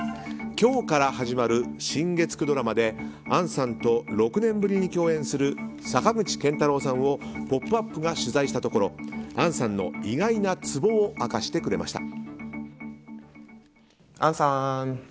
今日から始まる新月９ドラマで杏さんと６年ぶりに共演する坂口健太郎さんを「ポップＵＰ！」が取材したところ杏さんの意外なツボを明かしてくれました。